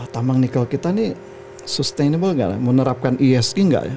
tambang nikel kita nih sustainable nggak ya menerapkan esg nggak ya